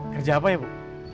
kerja apa ya bu